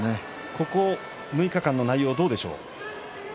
ここ６日間内容はどうですか。